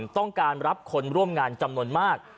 ต้องการรับคนร่วมงานจำนวนมาก